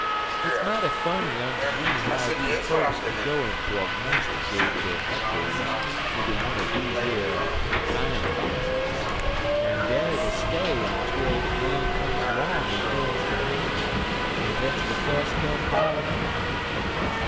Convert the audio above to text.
Hit's mighty funny unter me how dese fokes kin go an' prognosticate der eckoes inter one er deze yer i'on boxes, an' dar hit'll stay on twel de man comes long an' tu'ns de handle an' let's de fuss come pilin' out.